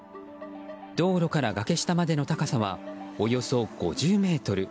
道路から崖下までの高さはおよそ５０ｍ。